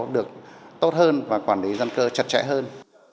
được tốt hơn và quản lý dân cư chặt chẽ hơn